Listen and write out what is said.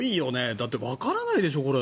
だって、わからないでしょこれ。